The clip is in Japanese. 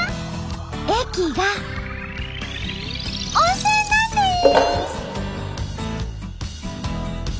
駅が温泉なんです！